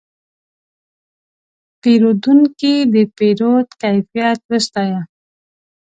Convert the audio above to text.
پیرودونکی د پیرود کیفیت وستایه.